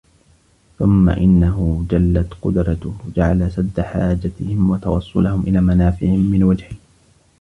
ثُمَّ إنَّهُ جَلَّتْ قُدْرَتُهُ جَعَلَ سَدَّ حَاجَتِهِمْ وَتَوَصُّلِهِمْ إلَى مَنَافِعِهِمْ مِنْ وَجْهَيْنِ